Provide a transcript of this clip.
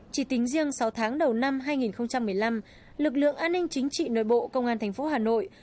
chỉ tính riêng sáu tháng đầu năm hai nghìn một mươi năm lực lượng an ninh chính trị nội bộ công an thành phố hà nội